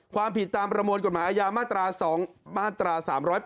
ความผิดตามประมวลกฎหมายอาญามาตรา๓๘๘